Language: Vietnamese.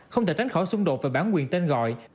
không thể tránh khỏi xung đột về bản quyền tên gọi